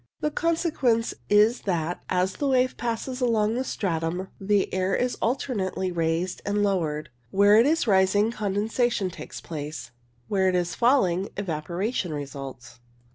The consequence is that as the waves pass along the stratum the air is alternately raised and lowered. Where it is rising condensation takes place, where it is falling evaporation results.